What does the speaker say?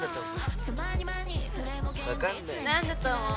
何だと思う？